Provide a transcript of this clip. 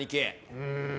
うん。